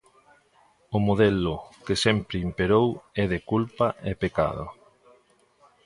O modelo que sempre imperou é de culpa e pecado.